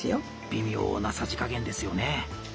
微妙なさじ加減ですよね。